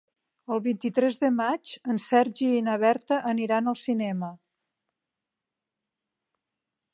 El vint-i-tres de maig en Sergi i na Berta aniran al cinema.